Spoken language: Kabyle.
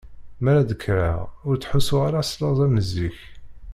Mi ara d-kkreɣ ur ttḥussuɣ ara s laẓ am zik.